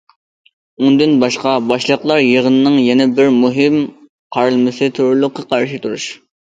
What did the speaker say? ئۇندىن باشقا، باشلىقلار يىغىنىنىڭ يەنە بىر مۇھىم قارالمىسى تېررورلۇققا قارشى تۇرۇش.